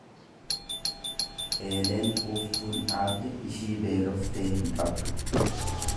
Eeleen quuftuun dhaabde ishii beeloftee hin qabdu.